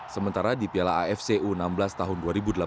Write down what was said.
sementara di piala afc u enam belas tahun dua ribu delapan belas